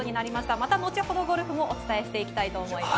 また後ほどゴルフもお伝えしていきたいと思います。